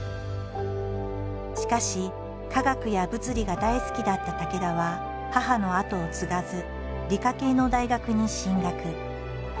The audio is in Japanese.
しかし化学や物理が大好きだった武田は母の跡を継がず理科系の大学に進学。